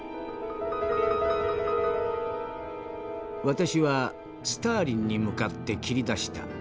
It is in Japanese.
「私はスターリンに向かって切り出した。